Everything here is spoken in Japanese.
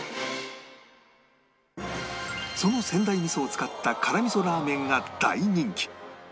その仙台味噌を使った辛味噌ラーメンが大人気